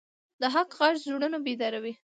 د حق غږ زړونه بیداروي